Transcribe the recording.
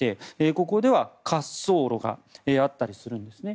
ここでは滑走路があったりするんですね。